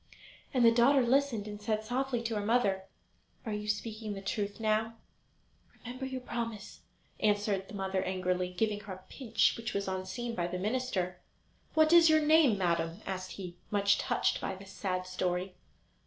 And the daughter listened, and said softly to her mother: "Are you speaking the truth now?" "Remember your promise," answered the mother angrily, giving her a pinch which was unseen by the minister. "What is your name, madam?" asked he, much touched by this sad story.